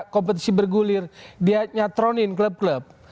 kompetisi bergulir dia nyatronin klub klub